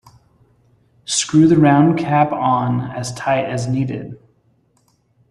Screw the round cap on as tight as needed.